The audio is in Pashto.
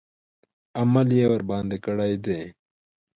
عمل یې ورباندې کړی دی.